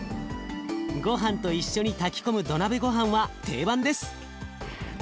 ごはんと一緒に炊き込む土鍋ごはんは定番です。